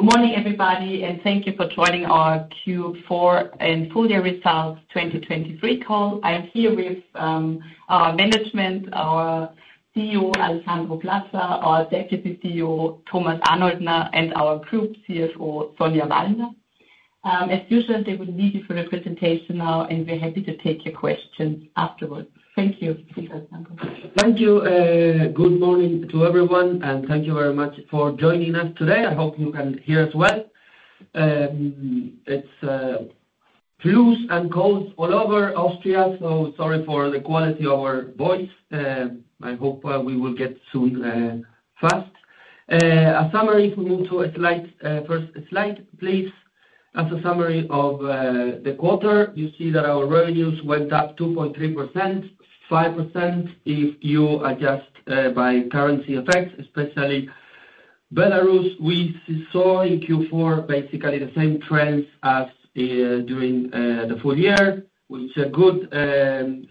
Good morning, everybody, and thank you for joining our Q4 and Full Year Results 2023 Call. I am here with our management, our CEO, Alejandro Plater, our Deputy CEO, Thomas Arnoldner, and our Group CFO, Sonja Wallner. As usual, they will need you for the presentation now, and we're happy to take your questions afterwards. Thank you, Elfriede Wilfinger. Thank you, good morning to everyone, and thank you very much for joining us today. I hope you can hear as well. It's flus and colds all over Austria, so sorry for the quality of our voice. I hope we will get through fast. A summary if we move to a slide, first slide, please. As a summary of the quarter, you see that our revenues went up 2.3%, 5% if you adjust by currency effects, especially Belarus. We saw in Q4 basically the same trends as during the full year, with good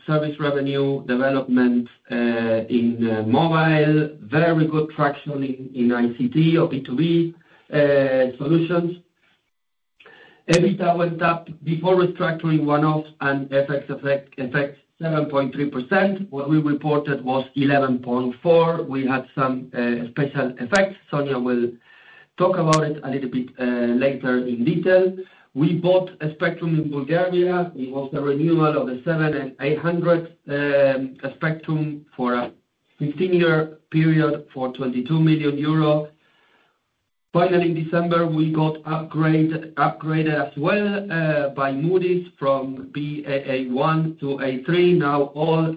service revenue development in mobile, very good traction in ICT or B2B solutions. EBITDA went up before restructuring one-offs and effects 7.3%. What we reported was 11.4%. We had some special effects. Sonja will talk about it a little bit later in detail. We bought a spectrum in Bulgaria. It was a renewal of the 700 and 800 spectrum for a 15-year period for 22 million euros. Finally, in December, we got upgraded as well by Moody's from Baa1 to A3. Now all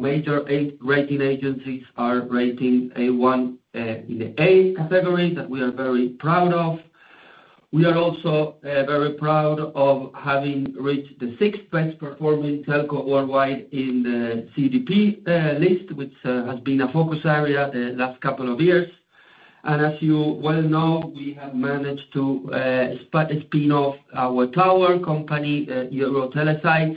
major rating agencies are rating A1 in the A category that we are very proud of. We are also very proud of having reached the sixth best-performing telco worldwide in the CDP list, which has been a focus area last couple of years. And as you well know, we have managed to spin off our tower company, EuroTeleSites,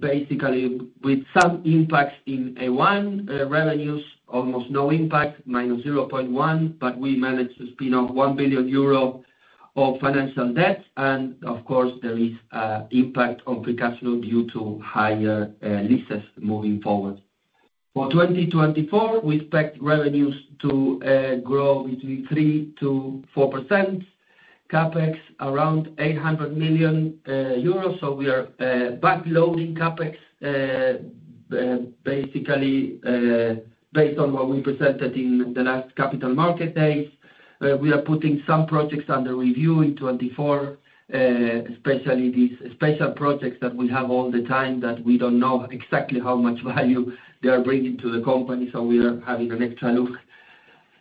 basically with some impacts in A1 revenues, almost no impact, -0.1%, but we managed to spin off 1 billion euro of financial debt. And, of course, there is impact on per capita due to higher leases moving forward. For 2024, we expect revenues to grow between 3%-4%, CapEx around 800 million euros. So we are backloading CapEx, basically, based on what we presented in the last Capital Markets Day. We are putting some projects under review in 2024, especially these special projects that we have all the time that we don't know exactly how much value they are bringing to the company, so we are having an extra look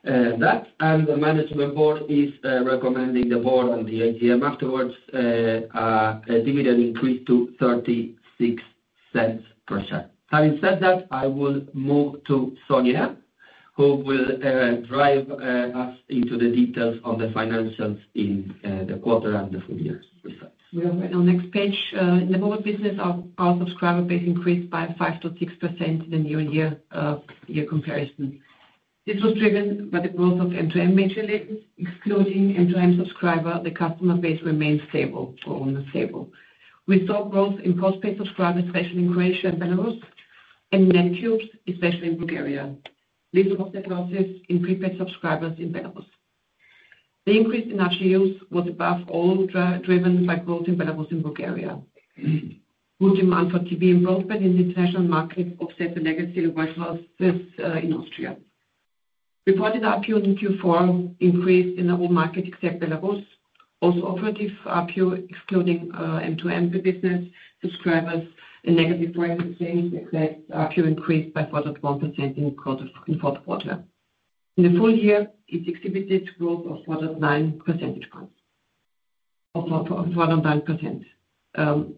at that. The Management Board is recommending the board and the AGM afterwards a dividend increase to 0.36 per share. Having said that, I will move to Sonja, who will dive us into the details on the financials in the quarter and the full year results. We have right now next page, in the mobile business, our subscriber base increased by 5%-6% in the year-over-year comparison. This was driven by the growth of M2M modules. Excluding M2M subscriber, the customer base remained stable or almost stable. We saw growth in postpaid subscribers, especially in Croatia and Belarus, and Net Cubes, especially in Bulgaria. Less net losses in prepaid subscribers in Belarus. The increase in RGUs was above all driven by growth in Belarus and Bulgaria. Good demand for TV and broadband in the international market offset the legacy reversals in Austria. Reported ARPU in Q4 increased in the whole market except Belarus. Also operative ARPU excluding M2M business subscribers and negative foreign exchange effects ARPU increased by 4.1% in the fourth quarter. In the full year, it exhibited growth of 4.9 percentage points or 4.9%.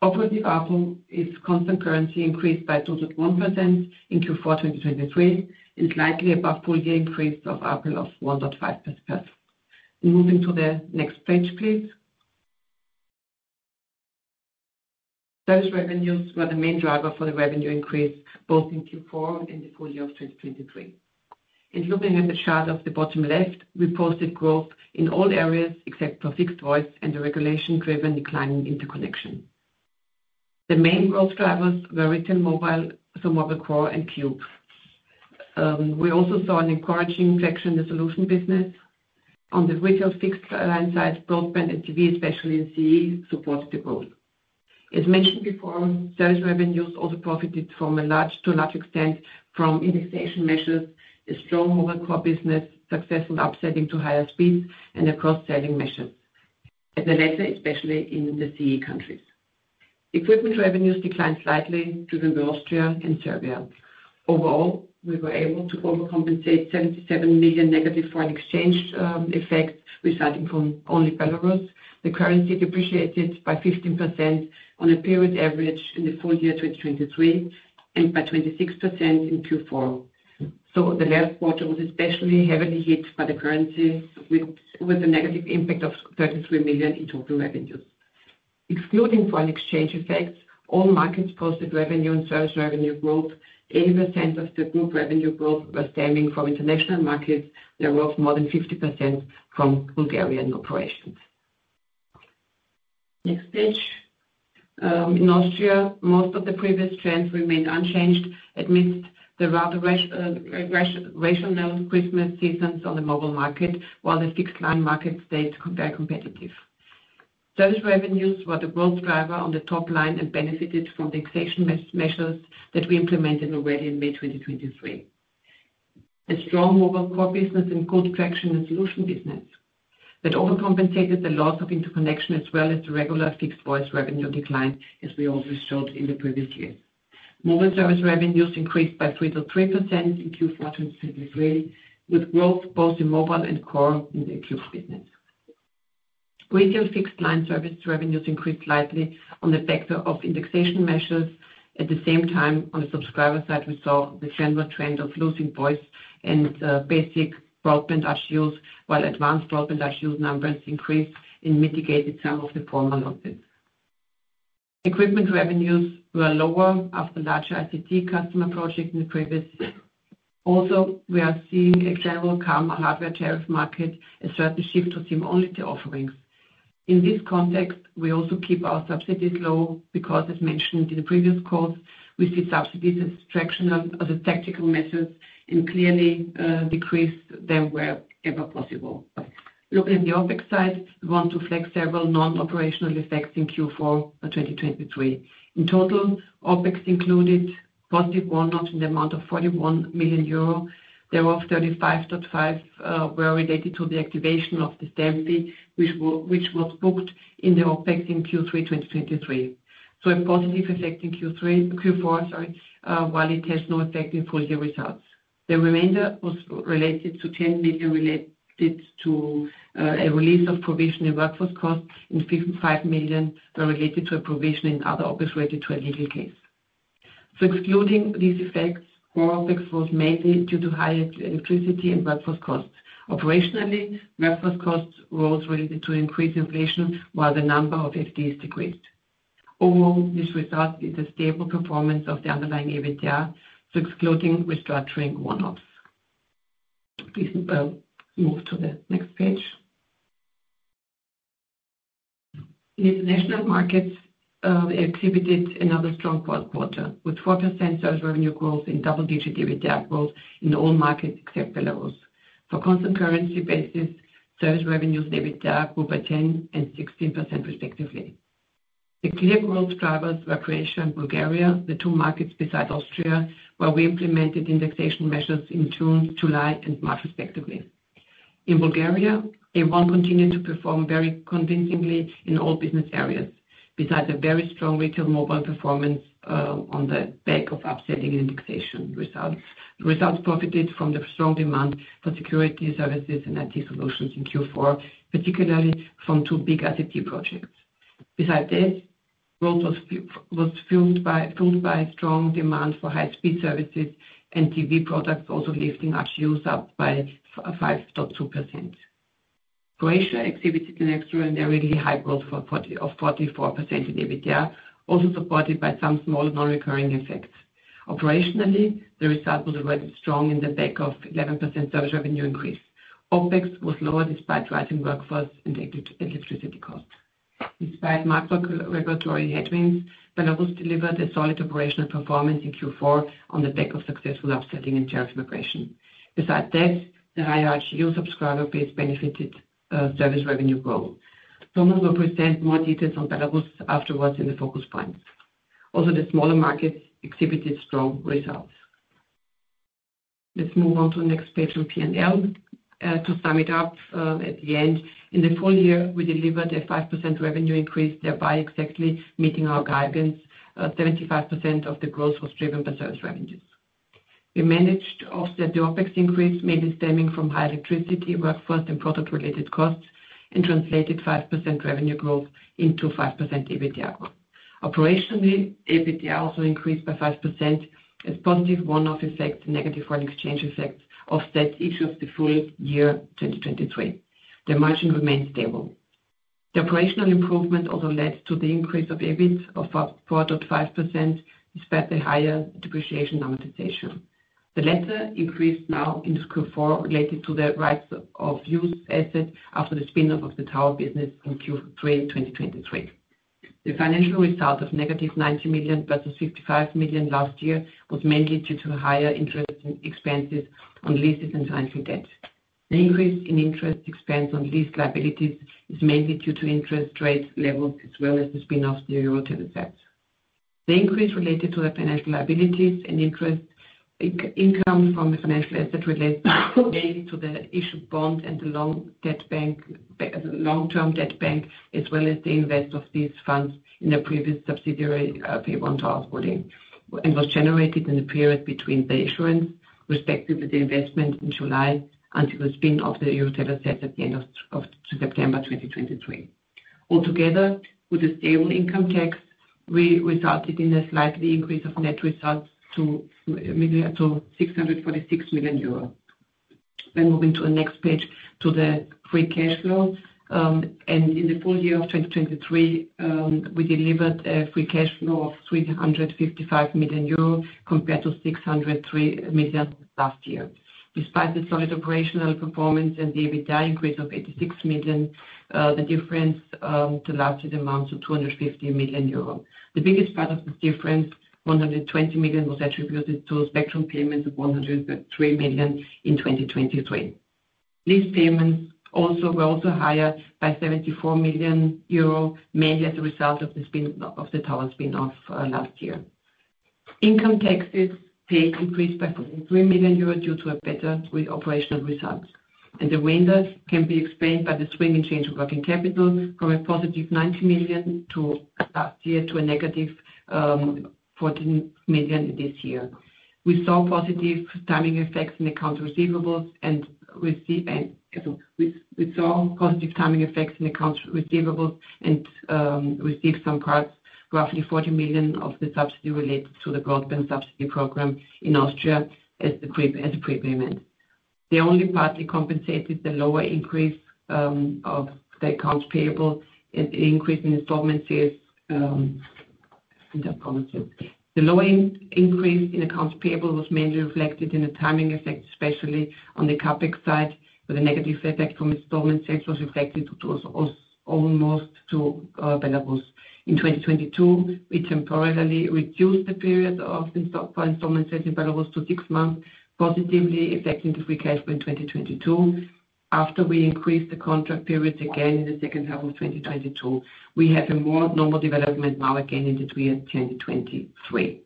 Operative ARPU is constant currency increased by 2.1% in Q4 2023 and slightly above full year increase of ARPU of 1.5%. Moving to the next page, please. Service revenues were the main driver for the revenue increase both in Q4 and the full year of 2023. Looking at the chart on the bottom left, we posted growth in all areas except for fixed voice and the regulation-driven declining interconnection. The main growth drivers were retail mobile, so mobile core and Cube. We also saw an encouraging inflection in the solution business. On the retail fixed line side, broadband and TV, especially in CEE, supported the growth. As mentioned before, service revenues also profited to a large extent from indexation measures, a strong mobile core business, successful upselling to higher speeds, and cross-selling measures, at the latter especially in the CEE countries. Equipment revenues declined slightly driven by Austria and Serbia. Overall, we were able to overcompensate 77 million negative foreign exchange effects resulting from only Belarus. The currency depreciated by 15% on a period average in the full year 2023 and by 26% in Q4. So the last quarter was especially heavily hit by the currency with a negative impact of 33 million in total revenues. Excluding foreign exchange effects, all markets posted revenue and service revenue growth. 80% of the group revenue growth was stemming from international markets. There were more than 50% from Bulgarian operations. Next page. In Austria, most of the previous trends remained unchanged amidst the rather rational Christmas seasons on the mobile market while the fixed line market stayed very competitive. Service revenues were the growth driver on the top line and benefited from the indexation measures that we implemented already in May 2023. A strong mobile core business and good traction in the solution business that overcompensated the loss of interconnection as well as the regular fixed voice revenue decline as we always showed in the previous years. Mobile service revenues increased by 3.3% in Q4 2023 with growth both in mobile and core in the Cubes business. Retail fixed line service revenues increased slightly on the back of indexation measures. At the same time, on the subscriber side, we saw the general trend of losing voice and basic broadband RGUs while advanced broadband RGUs numbers increased and mitigated some of the former losses. Equipment revenues were lower after larger ICT customer projects in the previous. Also, we are seeing a general calm hardware tariff market. A certain shift was SIM-only to offerings. In this context, we also keep our subsidies low because, as mentioned in the previous calls, we see subsidies as fractional as a tactical measures and clearly, decrease them wherever possible. Looking at the OpEx side, we want to flag several non-operational effects in Q4 2023. In total, OpEx included positive one-offs in the amount of 41 million euro. There were 35.5 million related to the activation of the stamp duty, which was booked in the OpEx in Q3 2023. So a positive effect in Q4, while it has no effect in full year results. The remainder was related to 10 million related to a release of provisions for workforce costs and 5 million were related to a provision in other OpEx related to a legal case. So excluding these effects, core OpEx was mainly due to higher electricity and workforce costs. Operationally, workforce costs rose, related to increased inflation while the number of FTEs decreased. Overall, this result is a stable performance of the underlying EBITDA, so excluding restructuring one-offs. Please, move to the next page. In international markets, exhibited another strong fourth quarter with 4% service revenue growth and double-digit EBITDA growth in all markets except Belarus. For constant currency basis, service revenues and EBITDA grew by 10% and 16% respectively. The clear growth drivers were Croatia and Bulgaria, the two markets besides Austria where we implemented indexation measures in June, July, and March respectively. In Bulgaria, A1 continued to perform very convincingly in all business areas besides a very strong retail mobile performance, on the back of upsetting indexation results. Results profited from the strong demand for security services and IT solutions in Q4, particularly from two big ICT projects. Besides this, growth was fueled by strong demand for high-speed services and TV products, also lifting RGUs up by 5.2%. Croatia exhibited an extraordinarily high growth of 40 or 44% in EBITDA, also supported by some small non-recurring effects. Operationally, the result was already strong in the back of 11% service revenue increase. OpEx was lower despite rising workforce and electricity costs. Despite macro regulatory headwinds, Belarus delivered a solid operational performance in Q4 on the back of successful up-selling and tariff migration. Besides this, the higher RGU subscriber base benefited service revenue growth. Thomas will present more details on Belarus afterwards in the focus points. Also, the smaller markets exhibited strong results. Let's move on to the next page on P&L. To sum it up, at the end, in the full year, we delivered a 5% revenue increase, thereby exactly meeting our guidance. 75% of the growth was driven by service revenues. We managed offset the OpEx increase, mainly stemming from high electricity, workforce, and product-related costs, and translated 5% revenue growth into 5% EBITDA growth. Operationally, EBITDA also increased by 5% as positive one-off effects and negative foreign exchange effects offset each of the full year 2023. The margin remained stable. The operational improvement also led to the increase of EBIT of 4.5% despite the higher depreciation amortization. The latter increased now in Q4 related to the rights-of-use asset after the spin-off of the tower business in Q3 2023. The financial result of -90 million versus 55 million last year was mainly due to higher interest expenses on leases and financial debt. The increase in interest expense on leased liabilities is mainly due to interest rate levels as well as the spin-off of EuroTeleSites. The increase related to the financial liabilities and interest income from the financial asset relates mainly to the issued bond and the long-term debt and bank debt as well as the investment of these funds in the previous subsidiary, A1 Towers Holding, and was generated in the period between the issuance, respectively the investment in July, until the spin-off of EuroTeleSites at the end of September 2023. Altogether, with a stable income tax, we resulted in a slight increase of net results to 646 million euros. Moving to the next page to the free cash flow, in the full year of 2023, we delivered free cash flow of 355 million euro compared to 603 million last year. Despite the solid operational performance and the EBITDA increase of 86 million, the difference to last year's amount to 250 million euro. The biggest part of the difference, 120 million, was attributed to spectrum payments of 103 million in 2023. Lease payments were higher by 74 million euro, mainly as a result of the tower spin-off last year. Income taxes paid increased by 43 million euros due to better operational results. The remainder can be explained by the change in working capital from a positive 90 million last year to a negative 14 million this year. We saw positive timing effects in accounts receivables and received some part, roughly 40 million, of the subsidy related to the broadband subsidy program in Austria as a prepayment. This only partly compensated the lower increase of the accounts payable and the increase in installment sales in the accounts sales. The lower increase in accounts payable was mainly reflected in the timing effect, especially on the CapEx side, where the negative effect from installment sales was reflected to almost Belarus. In 2022, we temporarily reduced the period of installment for installment sales in Belarus to six months, positively affecting the free cash flow in 2022 after we increased the contract periods again in the second half of 2022. We have a more normal development now again in the year 2023.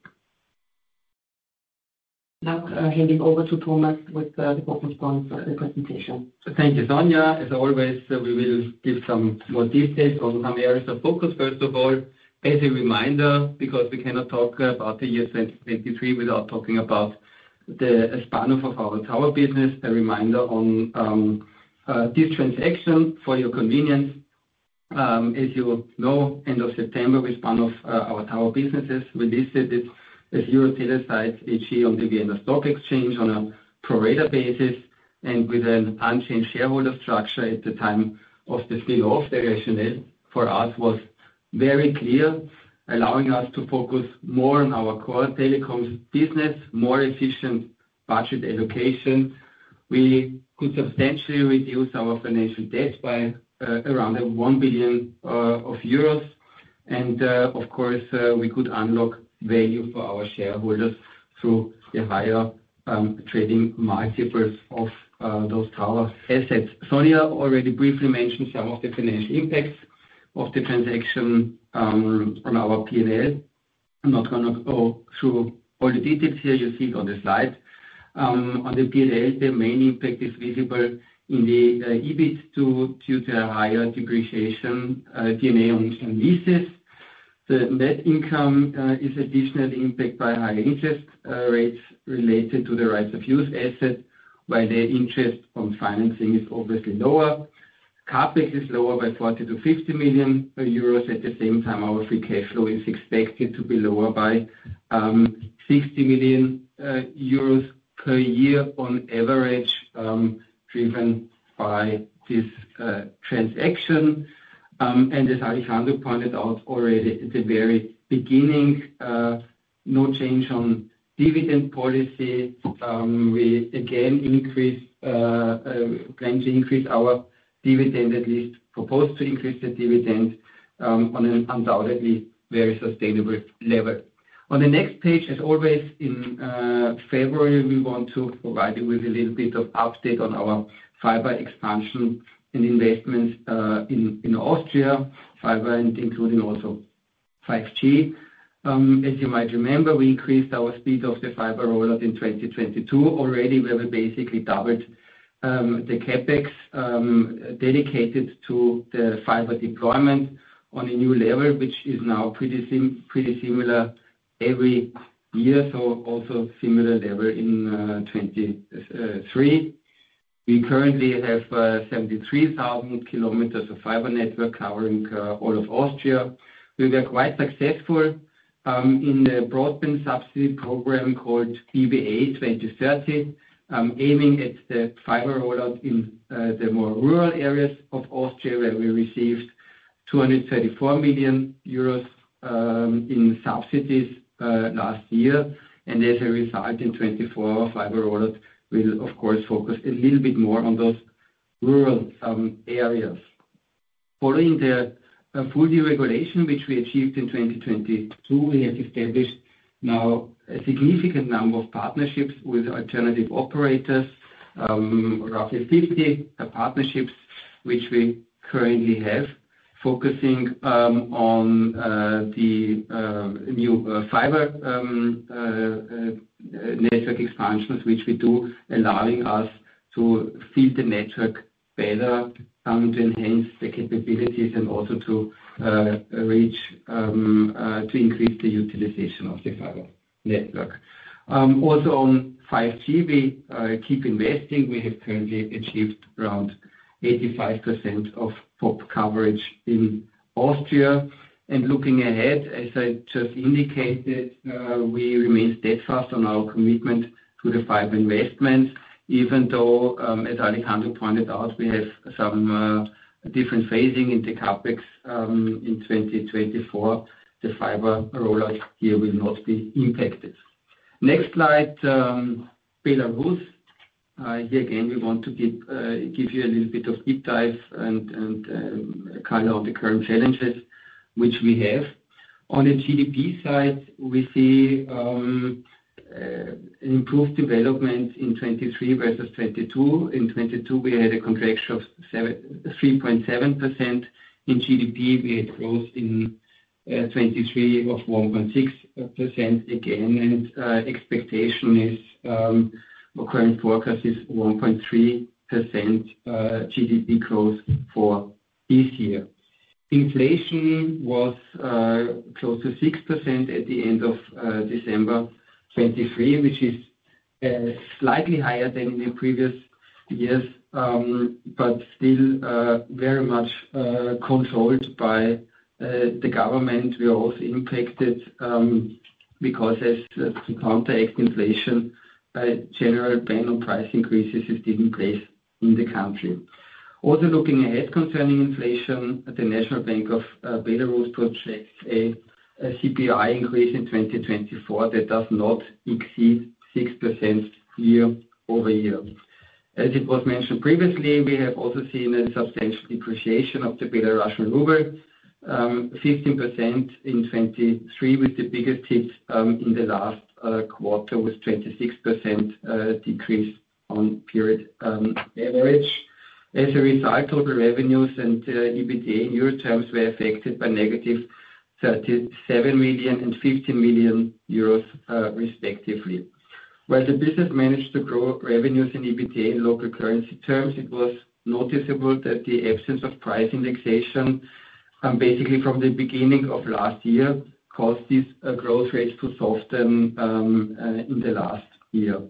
Now, handing over to Thomas with the focus points of the presentation. Thank you, Sonja. As always, we will give some more details on some areas of focus. First of all, as a reminder because we cannot talk about the year 2023 without talking about the spin-off of our tower business, a reminder on this transaction for your convenience. As you know, end of September, we spun off our tower businesses. We listed it as EuroTeleSites AG on the Vienna Stock Exchange on a pro-rata basis. And with an unchanged shareholder structure at the time of the spin-off, the rationale for us was very clear, allowing us to focus more on our core telecoms business, more efficient budget allocation. We could substantially reduce our financial debt by around 1 billion euros. And, of course, we could unlock value for our shareholders through the higher trading multiples of those tower assets. Sonja already briefly mentioned some of the financial impacts of the transaction on our P&L. I'm not gonna go through all the details here. You see it on the slide. On the P&L, the main impact is visible in the EBIT due to a higher depreciation and on leases. The net income is additional impact by higher interest rates related to the rights-of-use asset while the interest on financing is obviously lower. CapEx is lower by 40 million-50 million euros. At the same time, our free cash flow is expected to be lower by 60 million euros per year on average, driven by this transaction. And as Alejandro pointed out already at the very beginning, no change on dividend policy. We again plan to increase our dividend, at least proposed to increase the dividend, on an undoubtedly very sustainable level. On the next page, as always, in February, we want to provide you with a little bit of update on our fiber expansion and investments, in Austria, fiber and including also 5G. As you might remember, we increased our speed of the fiber rollout in 2022. Already, we have basically doubled the CapEx dedicated to the fiber deployment on a new level, which is now pretty similar every year, so also similar level in 2023. We currently have 73,000 kilometers of fiber network covering all of Austria. We were quite successful in the broadband subsidy program called BBA 2030, aiming at the fiber rollout in the more rural areas of Austria where we received 234 million euros in subsidies last year. As a result, in 2024, our fiber rollout will, of course, focus a little bit more on those rural areas. Following the full deregulation, which we achieved in 2022, we have established now a significant number of partnerships with alternative operators, roughly 50 partnerships, which we currently have, focusing on the new fiber network expansions, which we do, allowing us to feed the network better, to enhance the capabilities and also to reach to increase the utilization of the fiber network. Also on 5G, we keep investing. We have currently achieved around 85% of PoP coverage in Austria. And looking ahead, as I just indicated, we remain steadfast on our commitment to the fiber investments, even though, as Alejandro pointed out, we have some different phasing in the CapEx in 2024. The fiber rollout here will not be impacted. Next slide, Belarus. Here again, we want to give you a little bit of deep dive and color on the current challenges, which we have. On the GDP side, we see an improved development in 2023 versus 2022. In 2022, we had a contraction of 3.7% in GDP. We had growth in 2023 of 1.6% again. Expectation is, or current forecast is 1.3% GDP growth for this year. Inflation was close to 6% at the end of December 2023, which is slightly higher than in the previous years, but still very much controlled by the government. We are also impacted because as to counteract inflation, a general ban on price increases is still in place in the country. Also looking ahead concerning inflation, the National Bank of Belarus projects a CPI increase in 2024 that does not exceed 6% year-over-year. As it was mentioned previously, we have also seen a substantial depreciation of the Belarusian ruble, 15% in 2023, with the biggest hit in the last quarter was 26% decrease on period average. As a result, total revenues and EBITDA in euro terms were affected by -37 million and -15 million euros, respectively. While the business managed to grow revenues and EBITDA in local currency terms, it was noticeable that the absence of price indexation, basically from the beginning of last year, caused these growth rates to soften in the last year.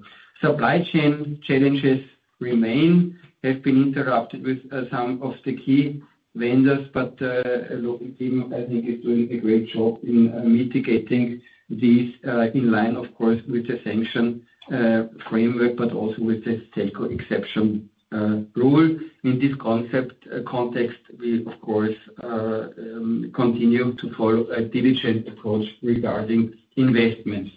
Supply chain challenges remain, have been interrupted with some of the key vendors, but local team, I think, is doing a great job in mitigating these in line, of course, with the sanctions framework but also with the telco exception rule. In this context, we, of course, continue to follow a diligent approach regarding investments.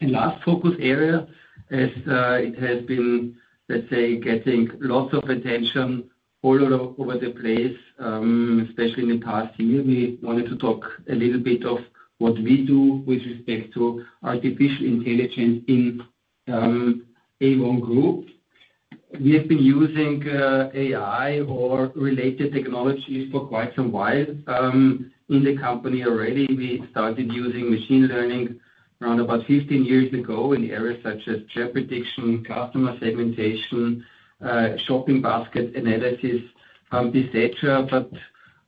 Last focus area, as it has been, let's say, getting lots of attention all over the place, especially in the past year, we wanted to talk a little bit of what we do with respect to artificial intelligence in A1 Group. We have been using AI or related technologies for quite some while in the company already. We started using machine learning around about 15 years ago in areas such as chat prediction, customer segmentation, shopping basket analysis, etc. But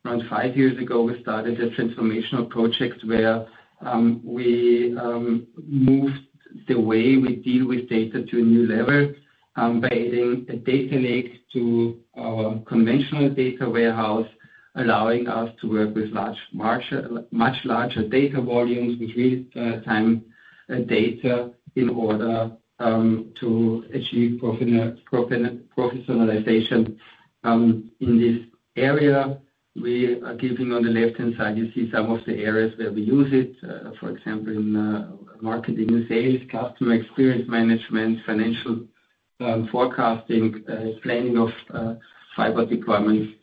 around five years ago, we started a transformational project where we moved the way we deal with data to a new level, by adding a data lake to our conventional data warehouse, allowing us to work with much larger data volumes with real-time data in order to achieve professionalization in this area. We, giving on the left-hand side, you see some of the areas where we use it, for example, in marketing and sales, customer experience management, financial forecasting, planning of fiber deployments,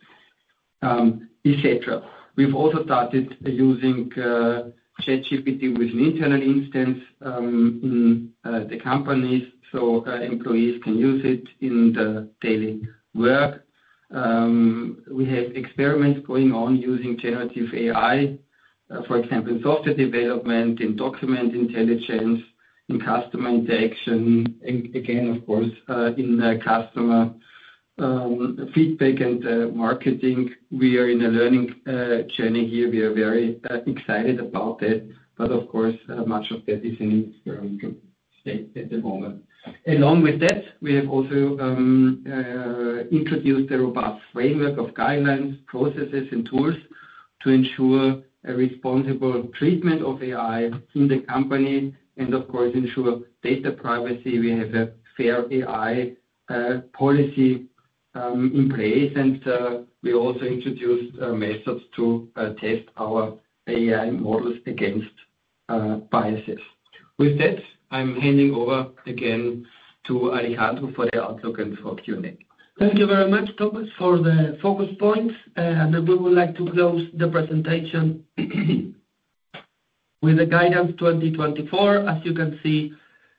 etc. We've also started using ChatGPT with an internal instance in the companies so employees can use it in the daily work. We have experiments going on using generative AI, for example, in software development, in document intelligence, in customer interaction, and again, of course, in customer feedback and marketing. We are in a learning journey here. We are very excited about that. But, of course, much of that is in the experimental state at the moment. Along with that, we have also introduced a robust framework of guidelines, processes, and tools to ensure a responsible treatment of AI in the company and, of course, ensure data privacy. We have a fair AI policy in place. And we also introduced methods to test our AI models against biases. With that, I'm handing over again to Alejandro for the outlook and for Q&A. Thank you very much, Thomas, for the focus points. And then we would like to close the presentation with the guidance 2024. As you can see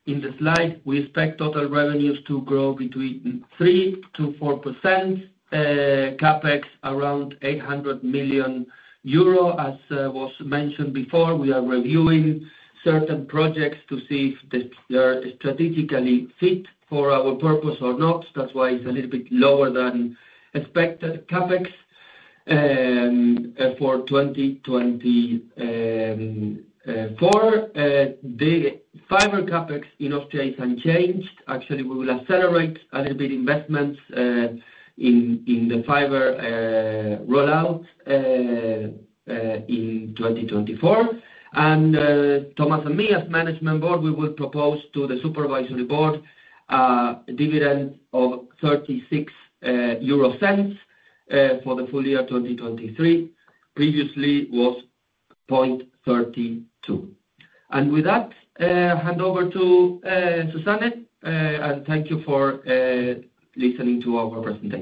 in the slide, we expect total revenues to grow between 3%-4%, CapEx around 800 million euro. As was mentioned before, we are reviewing certain projects to see if they're strategically fit for our purpose or not. That's why it's a little bit lower than expected CapEx for 2024. The fiber CapEx in Austria is unchanged. Actually, we will accelerate a little bit investments in the fiber rollout in 2024. And Thomas and me, as Management Board, we will propose to the Supervisory Board dividend of 0.36 for the full year 2023. Previously, it was 0.32. And with that, hand over to Susanne, and thank you for listening to our presentation.